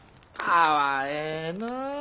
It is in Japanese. かわええのお！